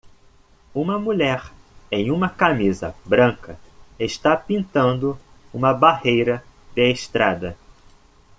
Uma mulher em uma camisa branca está pintando uma barreira de estrada.